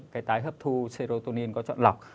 cái tái hấp thu serotonin có chọn lọc